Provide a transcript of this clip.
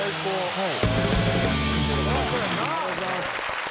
はい。